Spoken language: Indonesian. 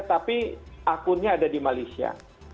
tapi akunnya ada di malaysia